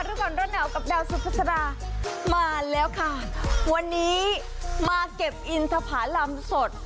ระบออนแรงเหนียวกับดาวซูตพัดดามาแล้วค่ะวันนี้มาเก็บอินทภารำสด